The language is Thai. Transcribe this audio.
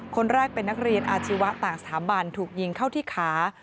คนแรกเป็นนักเรียนอาชีวะต่างสถาบันถูกยิงเข้าที่ขา